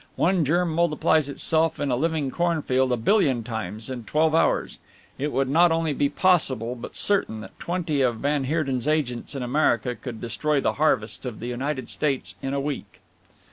One germ multiplies itself in a living cornfield a billion times in twelve hours. It would not only be possible, but certain that twenty of van Heerden's agents in America could destroy the harvests of the United States in a week."